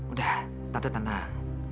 udah tante tenang